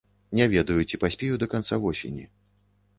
Не ведаю, ці паспею да канца восені.